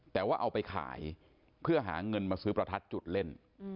แต่ว่าเอาไปขายเพื่อหาเงินมาซื้อประทัดจุดเล่น